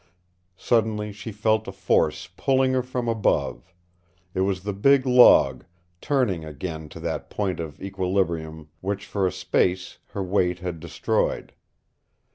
Suddenly she felt a force pulling her from above. It was the big log, turning again to that point of equilibrium which for a space her weight had destroyed.